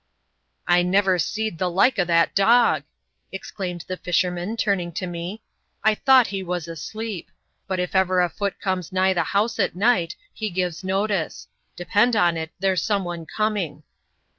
"I never seed the like o' that dog," exclaimed the fisherman, turning to me. "I thought he was asleep. But if ever a foot comes nigh the house at night, he gives notice. Depend on it, there's some one coming."